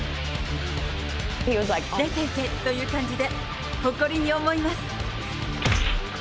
出ていけ！という感じで、誇りに思います。